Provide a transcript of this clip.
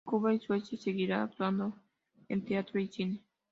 En Cuba y Suecia seguiría actuando en teatro y cine.